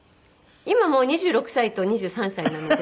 今もう２６歳と２３歳なので。